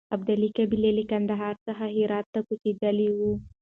ابدالي قبیله له کندهار څخه هرات ته کوچېدلې وه.